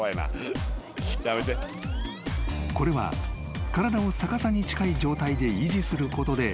［これは体を逆さに近い状態で維持することで］